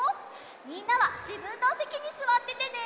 みんなはじぶんのせきにすわっててね。